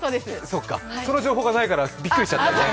その情報がないから、びっくりしちゃった。